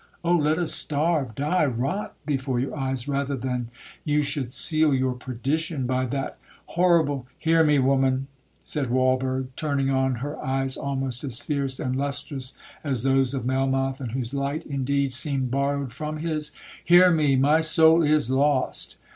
—Oh! let us starve, die, rot before your eyes, rather than you should seal your perdition by that horrible'—'Hear me, woman!' said Walberg, turning on her eyes almost as fierce and lustrous as those of Melmoth, and whose light, indeed, seemed borrowed from his; 'Hear me!—My soul is lost!